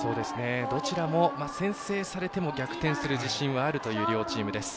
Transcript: どちらも先制されても逆転する自信はあるという両チームです。